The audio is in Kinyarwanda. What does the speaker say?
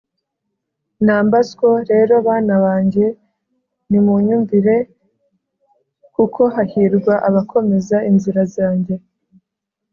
“numbersko rero bana banjye nimunyumvire, kuko hahirwa abakomeza inzira zanjye